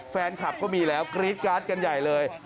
แฟนคลับก็มีแล้วกรี๊ดการ์ดกันใหญ่เลย